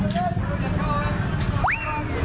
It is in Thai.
ใส่